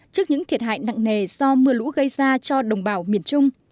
trước những thiệt hại nặng nề do mưa lũ gây ra cho đồng bào miền trung